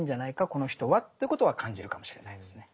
この人は」ってことは感じるかもしれないですね。